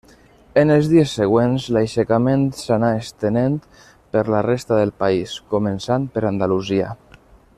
En els dies següents l'aixecament s'anà estenent per la resta del país, començant per Andalusia.